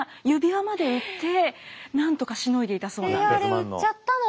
あれ売っちゃったの？